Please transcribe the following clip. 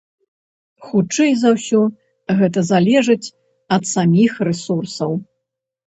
Хутчэй за ўсё, гэта залежыць ад саміх рэсурсаў.